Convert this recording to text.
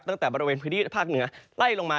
ตั้งแต่บริเวณพื้นที่ภาคเหนือไล่ลงมา